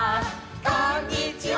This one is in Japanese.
「こんにちは」「」